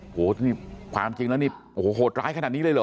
โอ้โฮนี่ผ่านจริงแล้วโหดร้ายขนาดนี้เลยหรือ